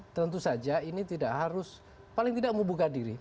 tentu saja ini tidak harus paling tidak membuka diri